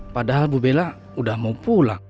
padahal bu bella udah mau pulang